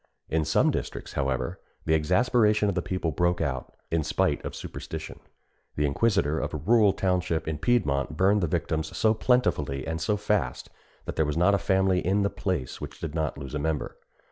In some districts, however, the exasperation of the people broke out, in spite of superstition. The inquisitor of a rural township in Piedmont burned the victims so plentifully and so fast, that there was not a family in the place which did not lose a member.